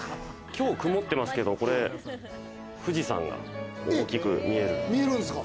今日は曇ってますけど、富士山が大きく見える。